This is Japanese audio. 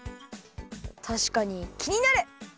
たしかにきになる！